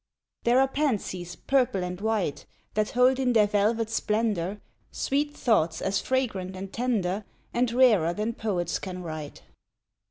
There are pansies, purple and white, That hold in their velvet splendour, Sweet thoughts as fragrant and tender, And rarer than poets can write.